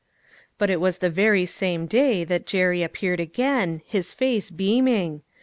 But it was the very same day that Jerry appeared again, his face beaming.